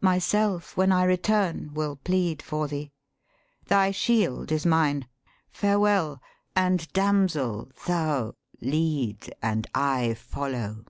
Myself, when I return, will plead for thee. Thy shield is mine farewell; and, damsel, thou, Lead, and I follow.'